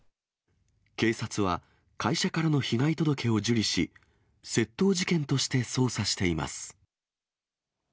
警察は、会社からの被害届を受理し、窃盗事件として捜査しています。